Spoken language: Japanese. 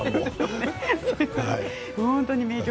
本当に名曲。